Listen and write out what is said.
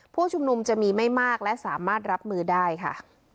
ผู้ชุมนุมจะมีไม่มากและสามารถรับมือได้ค่ะ